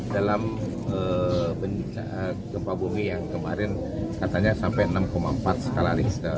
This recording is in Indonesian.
dalam gempa bumi yang kemarin katanya sampai enam empat skala richter